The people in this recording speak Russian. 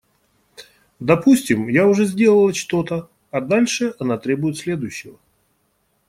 Допустим, я уже сделала что-то, а дальше она требует следующего.